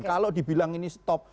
kalau dibilang ini stop